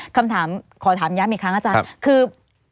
คำถามขอถามย้ำอีกครั้งอาจารย์คือ